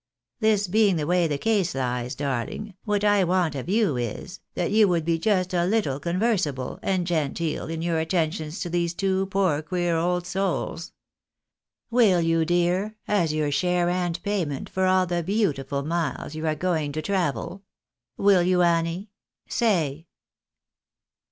This being the way the case lies, darling, what I want of you is, that you would just be a little conversable and genteel in your attentions to these two poor queer old souls. ^Vill you, dear, as your share and pay ment for all the beautiful miles you are going to travel ? Will you, Annie?— Say."